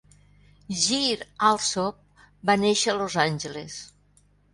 Geer-Alsop va néixer a Los Angeles.